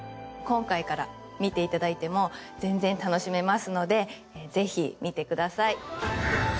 今回から見ていただいても全然楽しめますのでぜひ見てください。